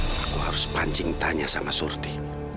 aku harus pancing tanya sama surti